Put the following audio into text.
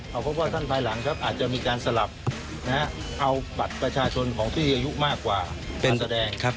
เอาพบว่าท่านภายหลังครับอาจจะมีการสลับเอาบัตรประชาชนของที่อายุมากกว่าเป็นแสดง